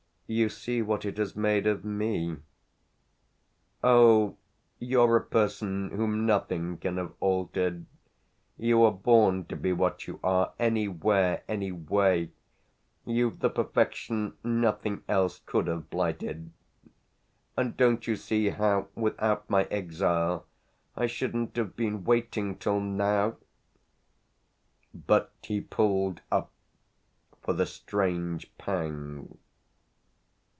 "You see what it has made of me." "Oh you're a person whom nothing can have altered. You were born to be what you are, anywhere, anyway: you've the perfection nothing else could have blighted. And don't you see how, without my exile, I shouldn't have been waiting till now ?" But he pulled up for the strange pang.